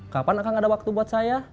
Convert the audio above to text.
kapan akan ada waktu buat saya